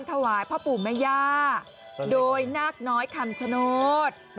อ๋ออนุญาตแล้ว